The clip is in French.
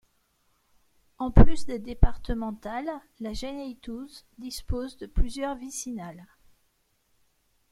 En plus des départementales La Geneytouse dispose de plusieurs vicinales.